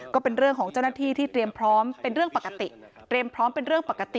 ก็เป็นเรื่องของเจ้าหน้าที่ที่เตรียมพร้อมเป็นเรื่องปกติ